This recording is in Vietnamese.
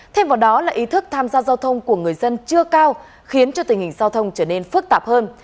thêm vào đó là ý thức tham gia giao thông của người dân chưa cao khiến cho tình hình giao thông trở nên phức tạp hơn